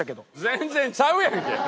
全然ちゃうやんけ！